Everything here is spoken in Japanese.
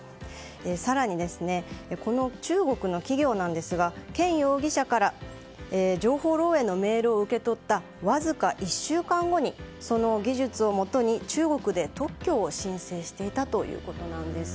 更に、中国の企業なんですがケン容疑者から情報漏洩のメールを受け取ったわずか１週間後にその技術をもとに中国で特許を申請していたということなんです。